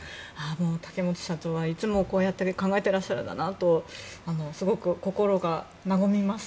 竹本社長はいつもこうやって考えてらっしゃるんだなとすごく心が和みます。